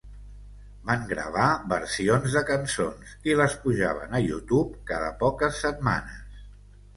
Van gravar versions de cançons i les pujaven a YouTube cada poques setmanes.